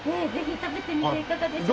食べてみていかがでしょうか。